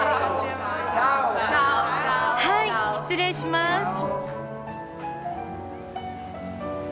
はい失礼します。